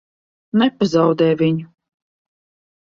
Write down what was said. Nepazaudē viņu!